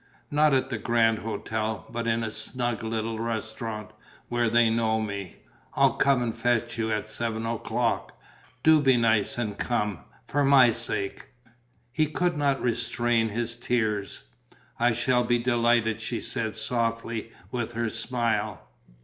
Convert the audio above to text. Not at the Grand Hôtel, but in a snug little restaurant, where they know me. I'll come and fetch you at seven o'clock. Do be nice and come! For my sake!" He could not restrain his tears. "I shall be delighted," she said, softly, with her smile.